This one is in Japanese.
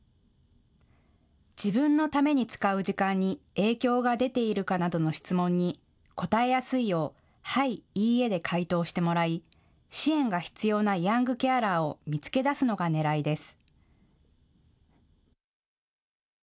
自分のために使う時間に影響が出ているかなどの質問に答えやすいようはい、いいえで回答してもらい支援が必要なヤングケアラーを見つけ出すのがねらいです。